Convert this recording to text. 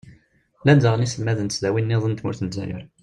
llan daɣen yiselmaden n tesdawin-nniḍen n tmurt n lezzayer.